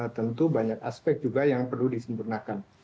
tentu banyak aspek juga yang perlu disempurnakan